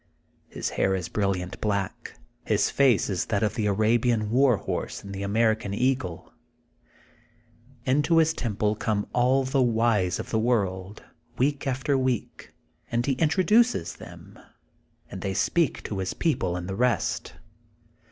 His hair is brilliant black, his face is that of the Arabian war horse and the THE GOLDEN BOOK OF SPRINGFIELD 88 American eagle. Into his temple come all the wise of the world, week after week, and he introduces them, and they speak to his people and the rest.